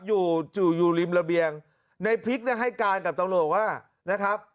อยู่จู่อยู่ริมระเบียงในพริกเนี่ยให้การกับตำรวจว่านะครับ